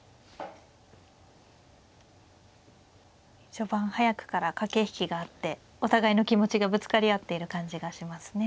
序盤早くから駆け引きがあってお互いの気持ちがぶつかり合っている感じがしますね。